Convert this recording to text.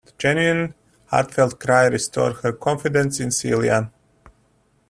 The genuine, heartfelt cry restored her confidence in Celia.